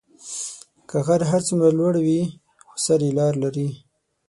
که غر هر څومره لوړی وي، خو سر یې لار لري.